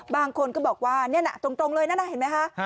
บางคนก็บอกว่านี่น่ะตรงเลยนั่นน่ะเห็นไหมคะ